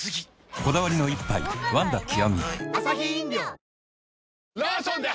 こだわりの一杯「ワンダ極」